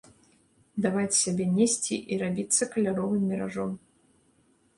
Даваць сябе несці і рабіцца каляровым міражом.